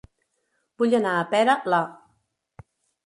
Vull anar a Pera, la